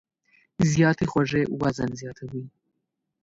زیاتې خوږې وزن زیاتوي.